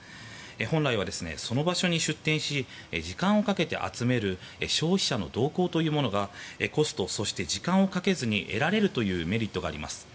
本来はその場所に出店し時間をかけて集める消費者の動向というものがコスト、そして時間をかけずに得られるというメリットがあります。